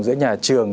giữa nhà trường